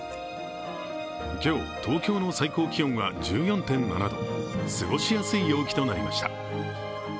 今日、東京の最高気温は１４．７度、過ごしやすい陽気となりました。